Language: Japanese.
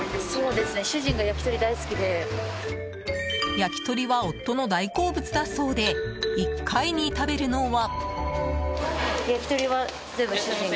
焼き鳥は夫の大好物だそうで１回に食べるのは。